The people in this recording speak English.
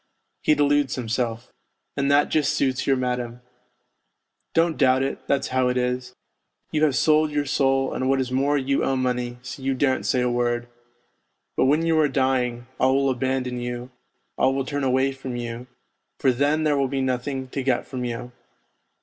He deludes himself. And that just suits your madam. Don't doubt it, that's how it is; you have sold your soul, and what is more you owe money, so you daren't say a word. But when you are dying, all will abandon you, all will turn away from you, for then there will be nothing to get from you.